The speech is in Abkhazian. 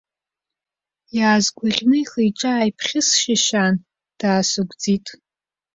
Иаазгәаӷьын, ихы-иҿы ааиԥхьысшьышьаан, даасыгәӡит.